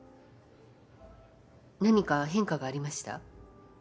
何か変化がありました？